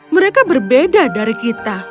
mereka berbeda dari kita